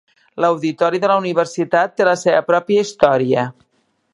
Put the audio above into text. L'auditori de la universitat té la seva pròpia història.